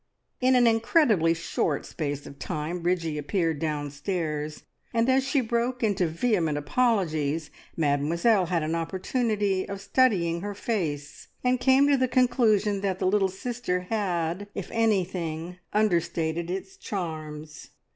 In an incredibly short space of time Bridgie appeared downstairs, and as she broke into vehement apologies, Mademoiselle had an opportunity of studying her face, and came to the conclusion that the little sister had, if anything, understated its charms.